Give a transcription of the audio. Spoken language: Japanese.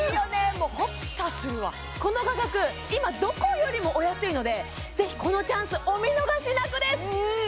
もうホッとするわこの価格今どこよりもお安いのでぜひこのチャンスお見逃しなくです！